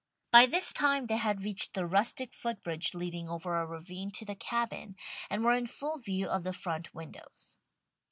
By this time they had reached the rustic footbridge leading over a ravine to the Cabin, and were in full view of the front windows.